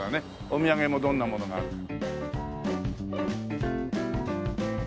お土産もどんなものがあるか。